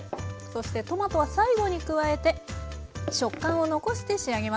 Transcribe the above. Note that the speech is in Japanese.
そしてトマトは最後に加えて食感を残して仕上げましょう。